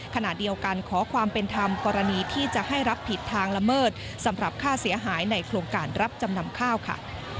ขณะเดียวกันขอความเป็นธรรมกรณีที่จะให้รับผิดทางละเมิดสำหรับค่าเสียหายในโครงการรับจำนำข้าวค่ะ